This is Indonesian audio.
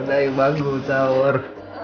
udah yuk bangun saur